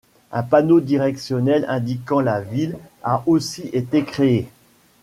Un panneau directionnel indiquant la ville a aussi été créé.